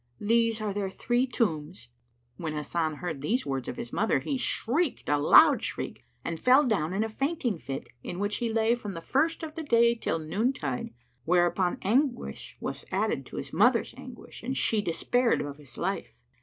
These are their three tombs."[FN#99] When Hasan heard these words of his mother, he shrieked a loud shriek and fell down in a fainting fit in which he lay from the first of the day till noon tide; whereupon anguish was added to his mother's anguish and she despared of his life.